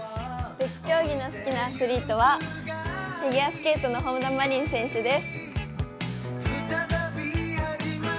別競技の好きなアトリーとはフィギュアスケートの本田真凜選手です。